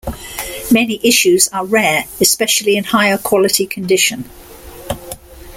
Many issues are rare, especially in higher quality condition.